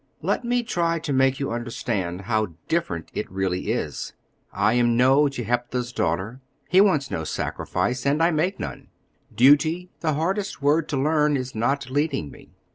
Let me try to make you understand how different it really is. I am no Jephthah's daughter, he wants no sacrifice, and I make none. Duty, the hardest word to learn, is not leading me.